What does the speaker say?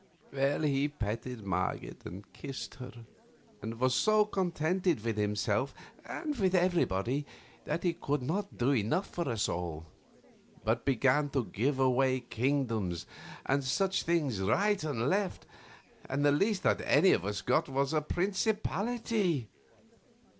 He petted Marget and kissed her, and was so contented with himself and with everybody that he could not do enough for us all, but began to give away kingdoms and such things right and left, and the least that any of us got was a principality.